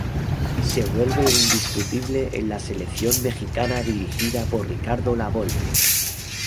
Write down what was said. Se vuelve indiscutible en la Selección Mexicana dirigida por Ricardo La Volpe.